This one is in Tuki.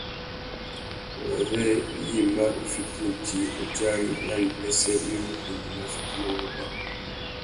Wêrê yïmá i fiti udjï udjari nà wipêssê iwí mutu nguimá a fitimú wuba.